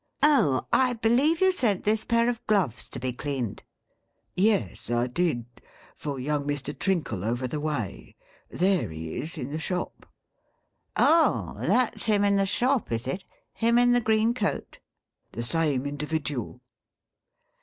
Oh ! I believe you sent this pair of gloves to be cleaned V ' Yes, I did, for young Mr. Trinkle over the way. There he is, in the shop !'' Oh ! that 's him in the shop, is it 1 Him in the green coat ?'' The same indi vidual.'